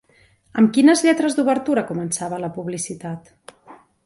Amb quines lletres d'obertura començava la publicitat?